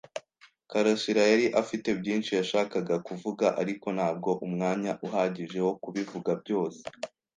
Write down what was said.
karasira yari afite byinshi yashakaga kuvuga, ariko ntabwo umwanya uhagije wo kubivuga byose.